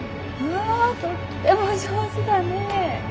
わぁとっても上手だねぇ。